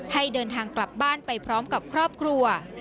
ให้เดินทางกลับบ้านไปพร้อมกับครอบครัว